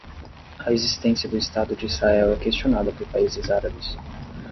A existência do estado de Israel é questionada por países árabes